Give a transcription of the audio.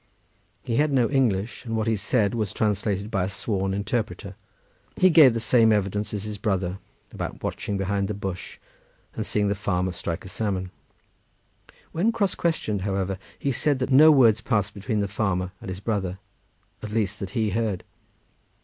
He had no English, and what he said was translated by a sworn interpreter. He gave the same evidence as his brother about watching behind the bush, and seeing the farmer strike a salmon. When cross questioned, however, he said that no words passed between the farmer and his brother, at least, that he heard.